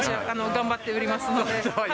頑張っておりますので。